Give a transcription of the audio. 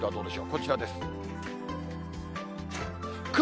こちらです。